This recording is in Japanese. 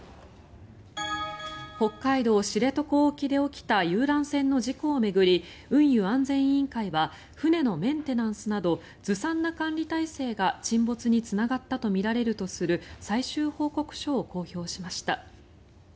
北海道・知床沖で起きた遊覧船の事故を巡り運輸安全委員会は船のメンテナンスなどずさんな管理体制が、沈没につながったとみられるとする最終報告書を公表しました。